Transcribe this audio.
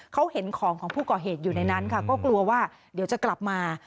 เขาเห็นของของผู้ก่อเหตุอยู่ในนั้นค่ะก็กลัวว่าเดี๋ยวจะกลับมา